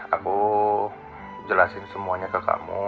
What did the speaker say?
aku jelasin semuanya ke kamu